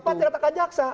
ya tepatnya ratakan jaksa